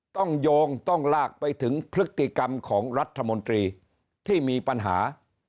โยงต้องลากไปถึงพฤติกรรมของรัฐมนตรีที่มีปัญหา